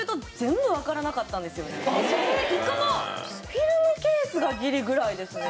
フィルムケースがギリぐらいですね。